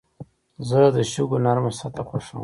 زه د شګو نرمه سطحه خوښوم.